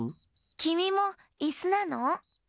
きみもいすなの？